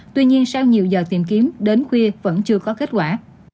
tuy nhiên sau nhiều giờ tìm kiếm đến khuya vẫn chưa có kết quả